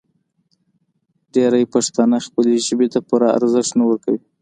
ډېری پښتانه خپلې ژبې ته پوره ارزښت نه ورکوي.